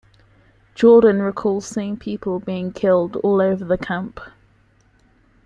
Jordan recalls seeing people being killed all over the camp.